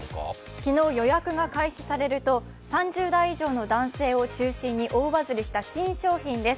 昨日、予約が開始されると３０代の男性を中心に大バズりした新商品です。